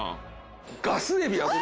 ガスエビ。